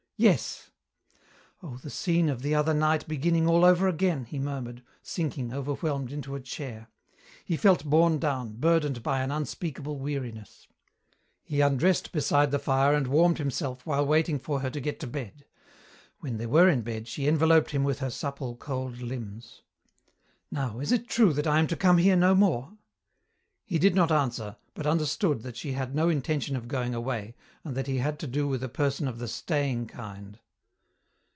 "Yes!" "Oh, the scene of the other night beginning all over again," he murmured, sinking, overwhelmed, into a chair. He felt borne down, burdened by an unspeakable weariness. He undressed beside the fire and warmed himself while waiting for her to get to bed. When they were in bed she enveloped him with her supple, cold limbs. "Now is it true that I am to come here no more?" He did not answer, but understood that she had no intention of going away and that he had to do with a person of the staying kind.